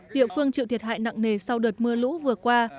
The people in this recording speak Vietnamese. địa phương chịu thiệt hại nặng nề sau đợt mưa lũ vừa qua